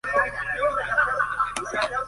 Tiene su sede en Gainesville.